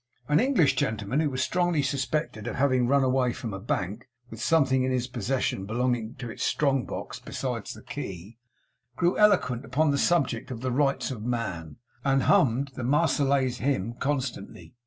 An English gentleman who was strongly suspected of having run away from a bank, with something in his possession belonging to its strong box besides the key, grew eloquent upon the subject of the rights of man, and hummed the Marseillaise Hymn constantly.